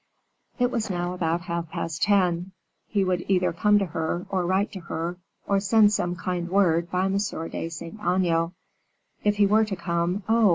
It was now about half past ten. He would either come to her, or write to her, or send some kind word by M. de Saint Aignan. If he were to come, oh!